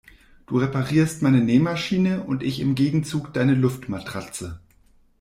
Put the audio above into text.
Du reparierst meine Nähmaschine und ich im Gegenzug deine Luftmatratze.